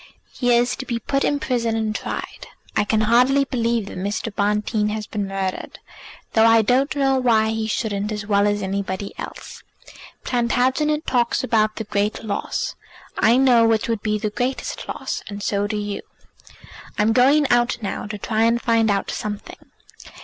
He is to be put in prison and tried. I can hardly believe that Mr. Bonteen has been murdered, though I don't know why he shouldn't as well as anybody else. Plantagenet talks about the great loss; I know which would be the greatest loss, and so do you. I'm going out now to try and find out something.